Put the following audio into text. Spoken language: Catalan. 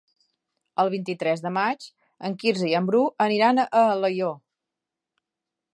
El vint-i-tres de maig en Quirze i en Bru aniran a Alaior.